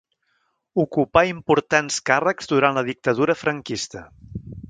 Ocupà importants càrrecs durant la Dictadura franquista.